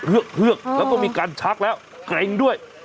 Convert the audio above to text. เฮือกแล้วก็มีการชักแล้วเกร็งด้วย